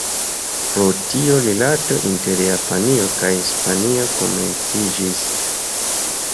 Pro tio, rilato inter Japanio kaj Hispanio komenciĝis.